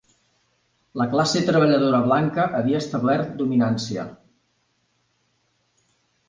La classe treballadora blanca havia establert dominància.